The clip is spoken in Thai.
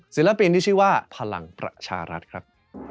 ศิลปินที่ชื่อว่าพลังประชารัฐครับ